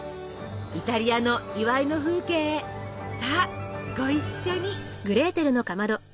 イタリアの祝いの風景へさあご一緒に！